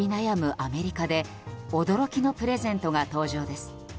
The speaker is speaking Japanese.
アメリカで驚きのプレゼントが登場です。